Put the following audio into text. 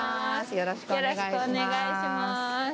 よろしくお願いします